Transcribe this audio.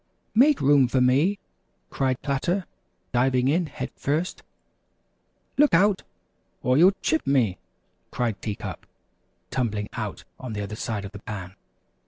"Make room for me," cried Platter, diving in head first. "Look out, or you'll chip me," cried Tea Cup, tumbling out on the other side of the pan.